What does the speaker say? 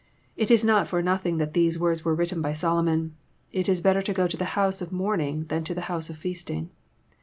It is not for nothing that these words were written by Solomon, *^ It is better to go to t)ie house of mourning than to the house of feasting."